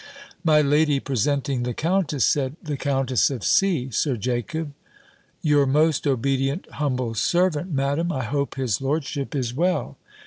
My lady presenting the countess, said, "The Countess of C., Sir Jacob!" "Your most obedient humble servant, Madam. I hope his lordship is well."